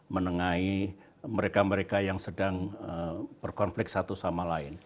menengahi mereka mereka yang sedang berkonflik satu sama lain